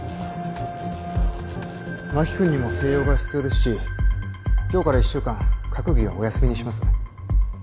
真木君にも静養が必要ですし今日から１週間閣議はお休みにします。